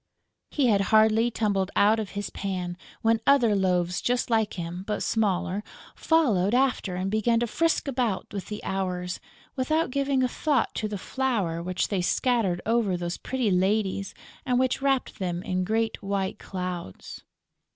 He had hardly tumbled out of his pan, when other loaves just like him, but smaller, followed after and began to frisk about with the Hours, without giving a thought to the flour which they scattered over those pretty ladies and which wrapped them in great white clouds.